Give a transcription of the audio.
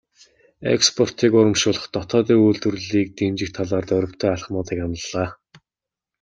Экспортыг урамшуулах, дотоодын үйлдвэрлэлийг дэмжих талаар дорвитой алхмуудыг амлалаа.